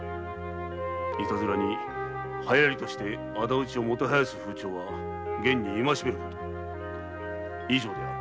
いたずらに流行として仇討ちをもてはやす風潮は厳にいましめること」以上である。